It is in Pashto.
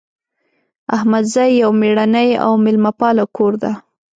احمدزی یو میړنۍ او میلمه پاله کور ده